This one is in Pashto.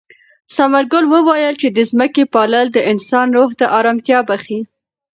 ثمرګل وویل چې د ځمکې پالل د انسان روح ته ارامتیا بښي.